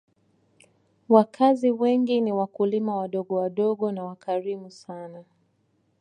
Wakazi wengi ni wakulima wadogowadogo na wakarimu sana